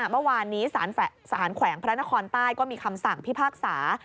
เมื่อวานนี้สารแขวงพระนครใต้ก็มีคำสั่งพิพากษา